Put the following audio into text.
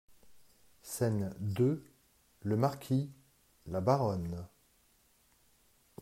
SCÈNE deux LE MARQUIS, LA BARONNE.